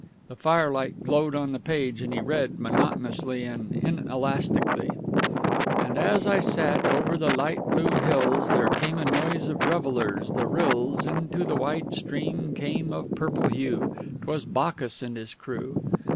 The firelight glowed on the page, and he read, monotonously and inelastically: "_And as I sat, over the light blue hills There came a noise of revellers; the rills Into the wide stream came of purple hue 'Twas Bacchus and his crew!